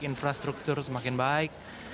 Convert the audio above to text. infrastruktur semakin baik